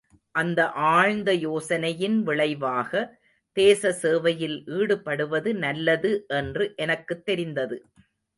அந்த ஆழ்ந்த யோசனையின் விளைவாக, தேச சேவையில் ஈடுபடுவது நல்லது என்று எனக்குத் தெரிந்தது.